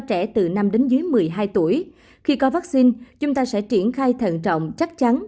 trẻ từ năm đến dưới một mươi hai tuổi khi có vaccine chúng ta sẽ triển khai thận trọng chắc chắn